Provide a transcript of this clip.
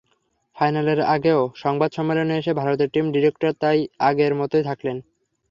ফাইনালের আগেও সংবাদ সম্মেলনে এসে ভারতের টিম ডিরেক্টর তাই আগের মতোই থাকলেন।